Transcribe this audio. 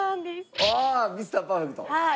おおっミスターパーフェクト。